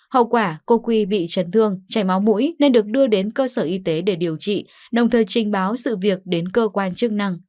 hậu quả cô quy bị chấn thương chảy máu mũi nên được đưa đến cơ sở y tế để điều trị đồng thời trình báo sự việc đến cơ quan chức năng